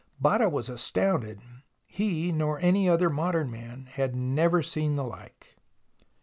Botta was as tounded. He, nor any other modern man, had never seen the hke.